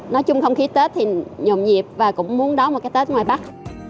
nói chung không khí tết thì nhộn nhịp và cũng muốn đóng một cái tết ngoài bắc